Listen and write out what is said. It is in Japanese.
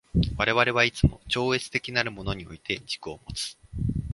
我々はいつも超越的なるものにおいて自己をもつ。